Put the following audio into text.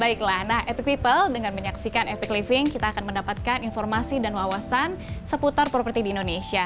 baiklah nah epic people dengan menyaksikan epic living kita akan mendapatkan informasi dan wawasan seputar properti di indonesia